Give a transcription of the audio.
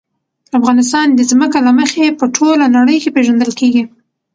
افغانستان د ځمکه له مخې په ټوله نړۍ کې پېژندل کېږي.